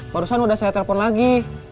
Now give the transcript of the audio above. barusan udah saya telepon lagi